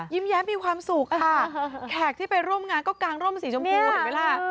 แย้มมีความสุขค่ะแขกที่ไปร่วมงานก็กางร่มสีชมพูเห็นไหมล่ะ